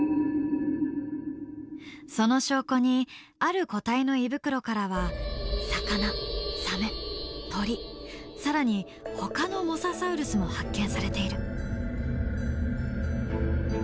その証拠にある個体の胃袋からは魚サメ鳥更にほかのモササウルスも発見されている。